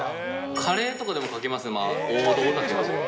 カレーとかでもかけます、王道だけど。